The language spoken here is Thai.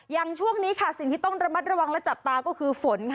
ยังช่วงนี้สิ่งที่ต้องระวังและจับตาก็คือฝน